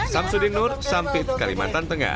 samsudinur sampit kalimantan tengah